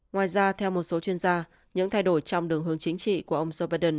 ngoài ra theo một số chuyên gia những thay đổi trong đường hướng chính trị của ông joe biden